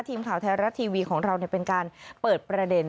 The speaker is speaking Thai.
ทีมข่าวไทยรัฐทีวีของเราเป็นการเปิดประเด็น